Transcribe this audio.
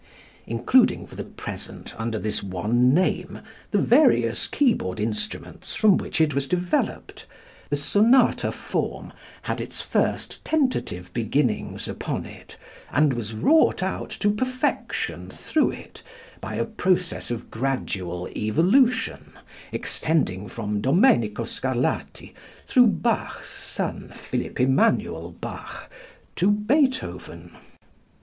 Including for the present under this one name the various keyboard instruments from which it was developed, the sonata form had its first tentative beginnings upon it and was wrought out to perfection through it by a process of gradual evolution extending from Domenico Scarlatti through Bach's son, Philipp Emanuel Bach, to Beethoven.